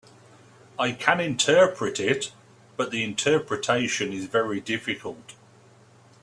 I can interpret it, but the interpretation is very difficult.